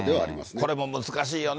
これも、難しいよね。